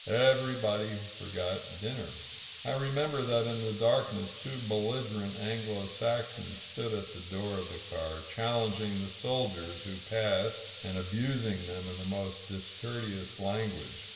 Everybody forgot dinner. I remember that in the darkness two belligerent Anglo Saxons stood at the door of the car, challenging the soldiers who passed and abusing them in the most discourteous language.